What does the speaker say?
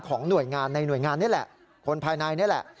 หน่วยงานในหน่วยงานนี่แหละคนภายในนี่แหละ